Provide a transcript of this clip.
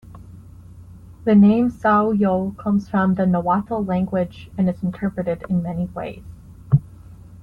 The name Sahuayo comes from the Nahuatl language, and is interpreted in many ways.